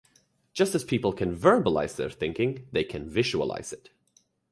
Just as people can 'verbalize' their thinking, they can 'visualize' it.